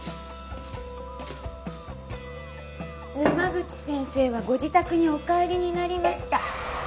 沼淵先生はご自宅にお帰りになりました